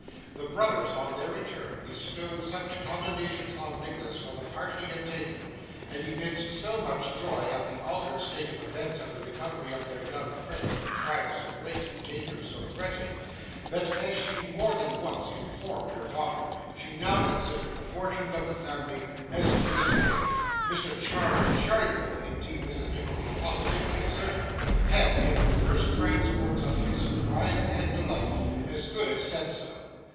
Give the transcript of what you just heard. The brothers, on their return, bestowed such commendations on Nicholas for the part he had taken, and evinced so much joy at the altered state of events and the recovery of their young friend from trials so great and dangers so threatening, that, as she more than once informed her daughter, she now considered the fortunes of the family 'as good as' made. Mr. Charles Cheeryble, indeed, Mrs. Nickleby positively asserted, had, in the first transports of his surprise and delight, 'as good as' said so.